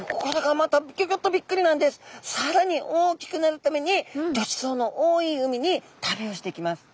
更に大きくなるためにギョちそうの多い海に旅をしていきます。